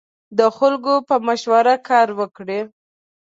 د خلکو په مشوره کار وکړئ.